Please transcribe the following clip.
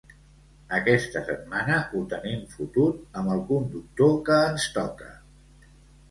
Aquesta setmana ho tenim fotut amb el conductor que ens toca